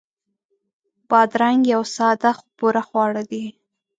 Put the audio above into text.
بادرنګ یو ساده خو پوره خواړه دي.